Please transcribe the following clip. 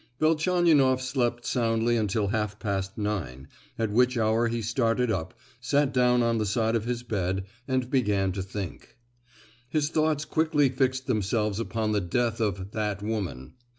Velchaninoff slept soundly until half past nine, at which hour he started up, sat down on the side of his bed, and began to think. His thoughts quickly fixed themselves upon the death of "that woman."